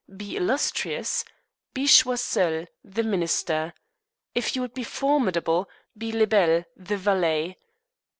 be illustrious, be Choiseul, the minister; if you would be formidable, be Lebel, the valet.